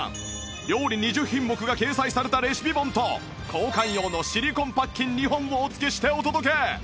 料理２０品目が掲載されたレシピ本と交換用のシリコンパッキン２本をお付けしてお届け！